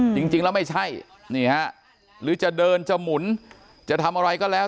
จริงแล้วไม่ใช่นี่ฮะหรือจะเดินจะหมุนจะทำอะไรก็แล้ว